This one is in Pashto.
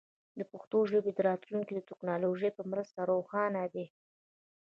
د پښتو ژبې راتلونکی د دې ټکنالوژۍ په مرسته روښانه دی.